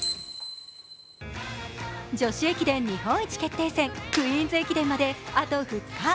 女子駅伝日本一決定戦、クイーンズ駅伝まであと２日。